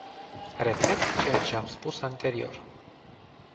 Repet ceea ce am spus anterior.